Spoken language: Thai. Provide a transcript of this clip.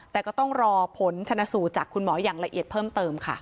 แต่ก็ต้องรอผลชนสูตรจากคุณหมออย่างละเอียดเพิ่มเติมค่ะ